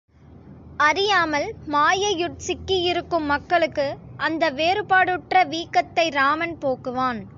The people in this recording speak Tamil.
அறியாமல் மாயையுட் சிக்கியிருக்கும் மக்களுக்கு, அந்த வேறுபாடுற்ற வீக்கத்தை ராமன் போக்குவான்.